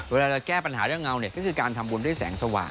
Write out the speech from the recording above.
เวลาเราแก้ปัญหาเรื่องเงาเนี่ยก็คือการทำบุญด้วยแสงสว่าง